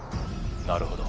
なるほど。